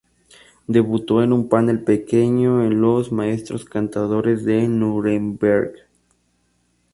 Debutó en un papel pequeño en Los maestros cantores de Núremberg.